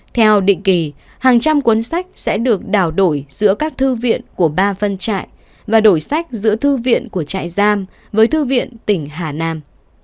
theo định kỳ hàng trăm cuốn sách sẽ được đảo đổi giữa các thư viện của ba văn trại và đổi sách giữa thư viện của trại giam với thư viện tỉnh hà nam